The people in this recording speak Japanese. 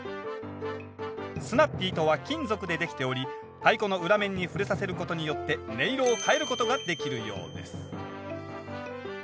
スナッピーとは金属で出来ており太鼓の裏面に触れさせることによって音色を変えることができるようです